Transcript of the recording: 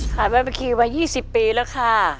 ข่าวบาร์บีคิวว่า๒๐ปีแล้วค่ะ